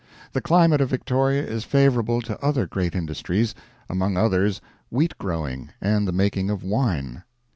The climate of Victoria is favorable to other great industries among others, wheat growing and the making of wine.